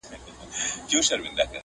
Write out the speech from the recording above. o په سپي زوى تل پلار ښکنځلی وي!